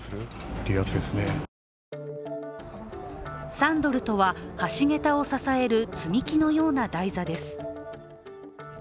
サンドルとは、橋桁を支える積み木のような台座です。